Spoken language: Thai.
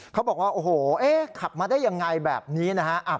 เขาบอกว่าโอ้โหขับมาได้ยังไงแบบนี้นะฮะ